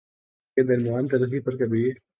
کے درمیان تلخی پر کبھی